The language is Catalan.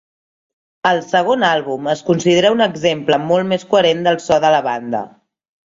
El segon àlbum es considera un exemple molt més coherent del so de la banda.